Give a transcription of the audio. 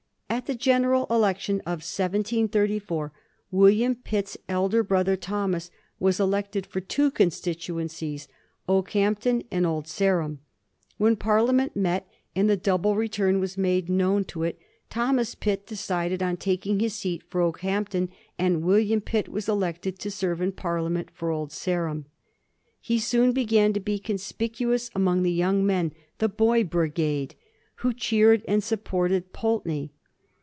At the general election of 1734 William Pitt's elder brother Thomas was elected for two constituencies, Okehampton and Old Sarum. When Par liament met, and the double return was made known to it, Thomas Pitt decided on taking his seat for Okehamp ton, and William Pitt was elected to serve in Parliament for Old Sarum. He soon began to be conspicuous among the young men — the "boy brigade," who cheered and supported Pulteney.